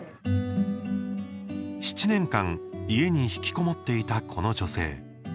７年間、家にひきこもっていたこの女性。